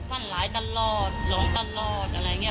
ฟันร้ายตลอดหลงตลอดอะไรอย่างนี้